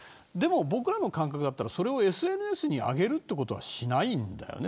僕らの感覚だったらＳＮＳにそれを上げるということはしないんだよね。